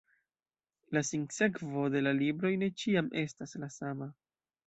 La sinsekvo de la libroj ne ĉiam estas la sama.